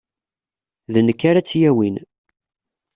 D nekk ara tt-yawin.